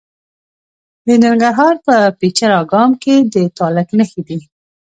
د ننګرهار په پچیر اګام کې د تالک نښې دي.